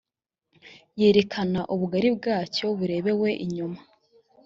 yerekana ubugari bwacyo burebewe inyuma